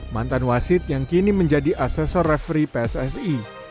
mantan wasit yang kini menjadi asesor referee pssi